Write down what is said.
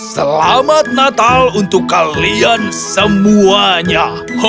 selamat natal untuk kalian semuanya